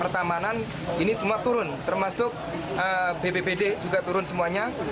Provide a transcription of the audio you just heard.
dan ini semua turun termasuk bbbd juga turun semuanya